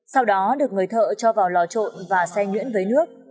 sau đó được người thợ cho vào lò trộn và xe nhuyễn với nước